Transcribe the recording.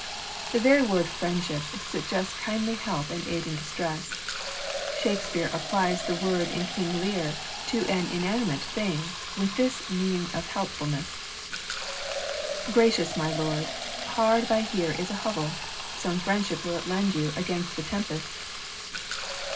The very word friendship suggests kindly help and aid in distress. Shakespeare applies the word in King Lear to an inanimate thing with this meaning of helpfulness, —Gracious my lord, hard by here is a hovel ; Somt friendship will it lend you 'gainst the tempest.